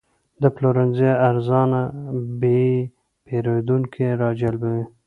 د پلورنځي ارزانه بیې پیرودونکي راجلبوي.